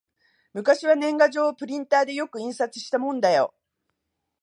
昔は年賀状をプリンターでよく印刷したもんだよ